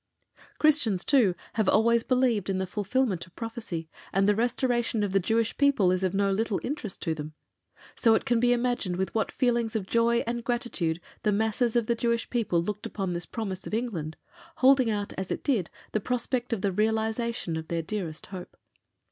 Christians too have always believed in the fulfilment of prophecy, and the Restoration of the Jewish people is of no little interest to them, so it can be imagined with what feelings of joy and gratitude the masses of the Jewish people looked upon this promise of England, holding out as it did the prospect of the realization of their dearest hope.